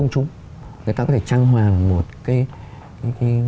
người ta có thể trang hoà một cái